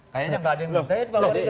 kayaknya nggak ada yang ngerti